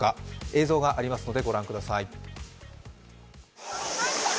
映像がありますので御覧ください。